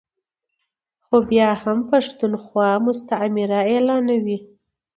خو بیا هم پښتونخوا مستعمره اعلانوي ا